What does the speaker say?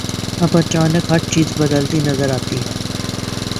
اب اچانک ہر چیز بدلتی نظر آتی ہے۔